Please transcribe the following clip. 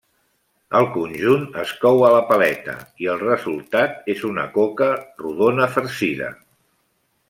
El conjunt es cou a la paleta, i el resultat és una coca redona farcida.